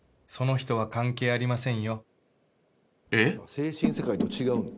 精神世界と違うの。